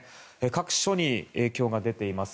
各所に影響が出ています。